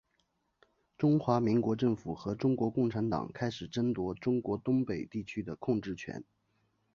中华民国政府和中国共产党开始争夺中国东北地区的控制权。